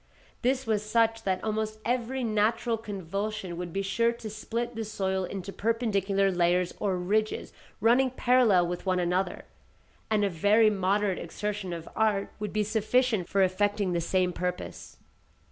This was such that almost every natural convulsion would be sure to split the soil into perpendicular layers or ridges running parallel with one another, and a very moderate exertion of art would be sufficient for effecting the same purpose.